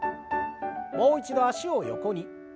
もう一度脚を横に。